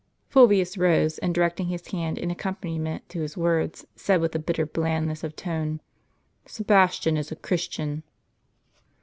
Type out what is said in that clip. Fulvius rose, and directing his hand, in accompaniment to his words, said with a bitter blandness of tone : "Sebastian is a Christian."